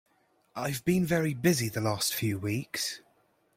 I've been very busy the last few weeks.